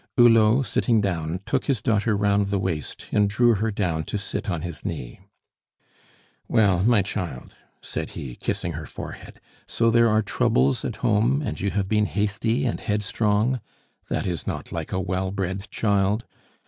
Hulot, sitting down, took his daughter round the waist, and drew her down to sit on his knee. "Well, my child," said he, kissing her forehead, "so there are troubles at home, and you have been hasty and headstrong? That is not like a well bred child.